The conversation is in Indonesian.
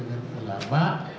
dikonsultasikan dengan ulama